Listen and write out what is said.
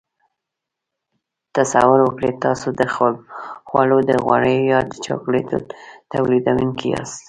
تصور وکړئ تاسو د خوړو د غوړیو یا د چاکلیټو تولیدوونکي یاست.